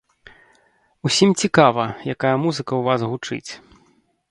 Усім цікава, якая музыка ў вас гучыць.